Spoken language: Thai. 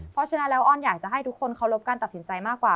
เพราะฉะนั้นแล้วอ้อนอยากจะให้ทุกคนเคารพการตัดสินใจมากกว่า